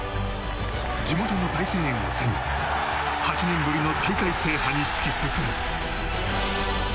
地元の大声援を背に８年ぶりの大会制覇に突き進む。